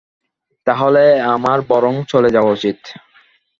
তাহলে আমার বরং চলে যাওয়া উচিত।